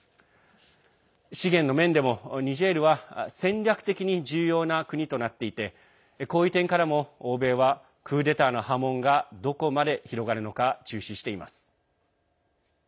資源の面でも、ニジェールは戦略的に重要な国となっていてこういう点からも欧米はクーデターの波紋がどこまで広がるのか注視しています。